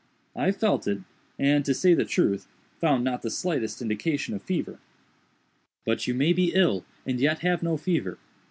I felt it, and, to say the truth, found not the slightest indication of fever. "But you may be ill and yet have no fever.